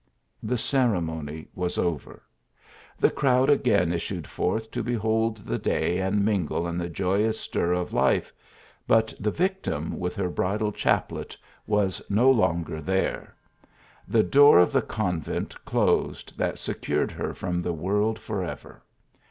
The ceremony was over : the THE BALCONY. 75 crowd again issued forth to behold the day and mingle in the joyous stir of life but the victim with her bridal chaplet was no longer there the door of the convent closed tnat secured her from the world for ever.